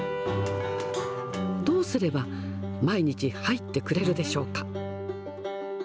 どうすれば毎日入ってくれるでしょうか。